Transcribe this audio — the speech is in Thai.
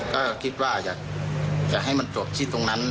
ก็คิดว่าอยากจะให้มันจบที่ตรงนั้น